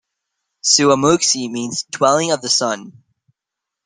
Suamuxi means "Dwelling of the Sun".